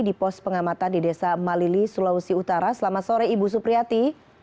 di pos pengamatan di desa malili sulawesi utara selamat sore ibu supriyati